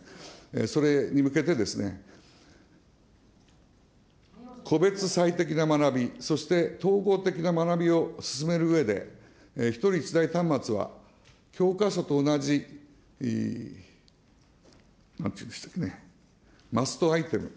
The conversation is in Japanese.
それに向けて、個別最適な学び、そして統合的な学びを進めるうえで、１人１台端末は、教科書と同じ、なんて言うんでしたっけね、マストアイテム。